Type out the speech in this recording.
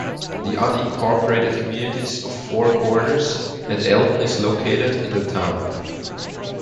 The unincorporated communities of Four Corners, and Elton is located in the town.